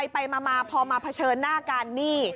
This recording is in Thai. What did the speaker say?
ไปมาพอมาเผชิญหน้ากันนี่